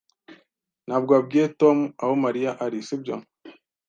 Ntabwo wabwiye Tom aho Mariya ari, sibyo?